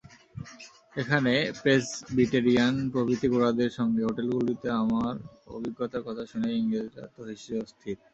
এখানে প্রেসবিটেরিয়ান প্রভৃতি গোঁড়াদের সঙ্গে হোটেলগুলিতে আমার অভিজ্ঞতার কথা শুনে ইংরেজরা তো হেসেই অস্থির।